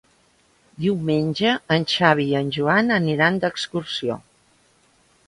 Diumenge en Xavi i en Joan aniran d'excursió.